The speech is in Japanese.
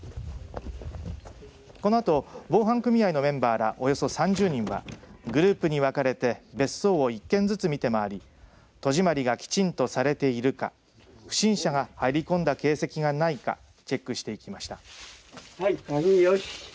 このあと防犯組合のメンバーがおよそ３０人はグループに分かれて別荘を１軒ずつ見て回り戸締まりがきちんとされているか不審者が入り込んだ形跡がないかチェックしていきました。